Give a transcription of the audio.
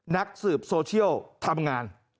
นักสืบโซเชียลทำงาน